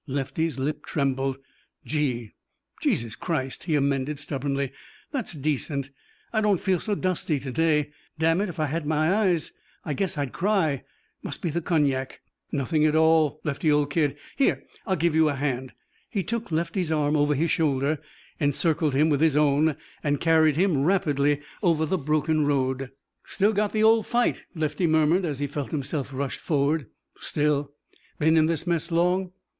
Lefty's lip trembled. "Gee Jesus Christ " he amended stubbornly; "that's decent. I don't feel so dusty to day. Damn it, if I had any eyes, I guess I'd cry. Must be the cognac." "Nothing at all, Lefty old kid. Here, I'll give you a hand." He took Lefty's arm over his shoulder, encircled him with his own, and carried him rapidly over the broken road. "Still got the old fight," Lefty murmured as he felt himself rushed forward. "Still." "Been in this mess long?"